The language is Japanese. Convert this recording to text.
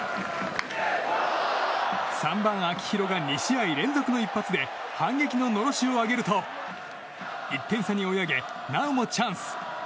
３番、秋広が２試合連続の一発で反撃ののろしを上げると１点差に追い上げなおもチャンス。